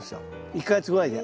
１か月ぐらいで。